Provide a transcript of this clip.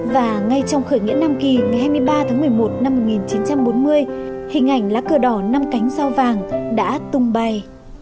và ngay trong khởi nghĩa nam kỳ ngày hai mươi ba tháng một mươi một năm một nghìn chín trăm bốn mươi hình ảnh lá cờ đỏ năm cánh dao vàng đã tung bay